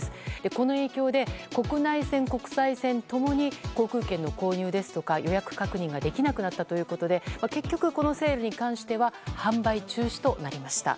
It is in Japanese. この影響で国内線、国際線共に航空券の購入ですとか予約確認ができなくなったということで結局、このセールに関しては販売中止となりました。